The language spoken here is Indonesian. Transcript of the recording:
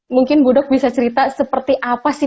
mungkin budok bisa cerita seperti apa sih